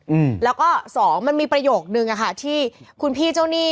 อืมแล้วก็สองมันมีประโยชน์หนึ่งอะค่ะที่คุณพี่โจนี่